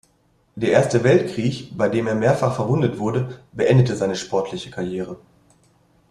Der Erste Weltkrieg, bei dem er mehrfach verwundet wurde, beendete seine sportliche Karriere.